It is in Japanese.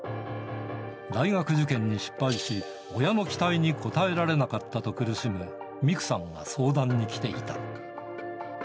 大学受験に失敗し、親の期待に応えられなかったと苦しむミクさんが相談に来ていた。